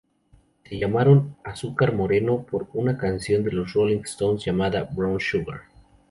Se llamaron Azúcar Moreno por una canción de los Rolling Stones llamada "Brown Sugar".